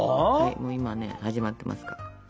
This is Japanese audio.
今ね始まってますから。